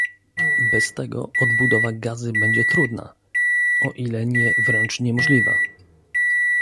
Bez tego odbudowa Gazy będzie trudna - o ile nie wręcz niemożliwa